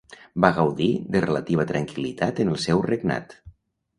Va gaudir de relativa tranquil·litat en el seu regnat.